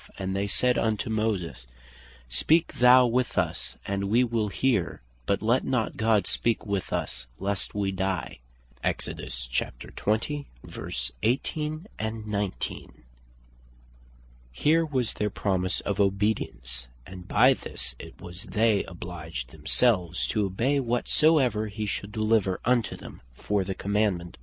And they said unto Moses, speak thou with us, and we will hear, but let not God speak with us lest we die." Here was their promise of obedience; and by this it was they obliged themselves to obey whatsoever he should deliver unto them for the Commandement of God.